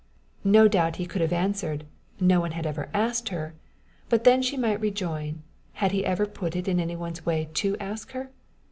No doubt he could have answered, no one had ever asked her; but then she might rejoin, had he ever put it in any one's way to ask her?